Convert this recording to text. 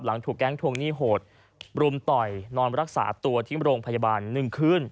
ถูกแก๊งทวงหนี้โหดรุมต่อยนอนรักษาตัวที่โรงพยาบาล๑คืน